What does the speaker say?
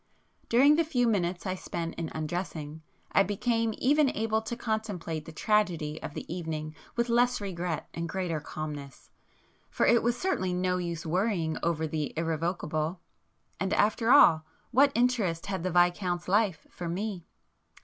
During the few minutes I spent in undressing I became even able to contemplate the tragedy of the evening with less regret and greater calmness,—for it was certainly no use worrying over the irrevocable,—and, after all, what interest had the Viscount's life for me?